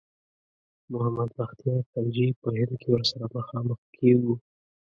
محمد بختیار خلجي په هند کې ورسره مخامخ کیږو.